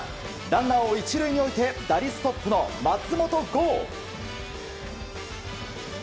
ランナーを１塁に置いて打率トップの松本剛。